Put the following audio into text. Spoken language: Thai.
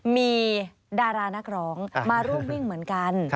มีดารานักร้องมาร่วมวิ่งเหมือนกัน